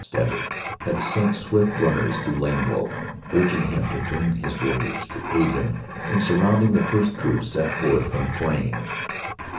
Stabber had sent swift runners to Lame Wolf urging him to bring his warriors to aid him in surrounding the first troops sent forth from Frayne.